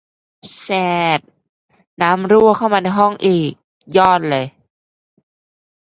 แสรด น้ำรั่วเข้ามาในห้องอีก ยอดเลย